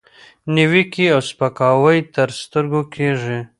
نیوکې او سپکاوي تر سترګو کېږي،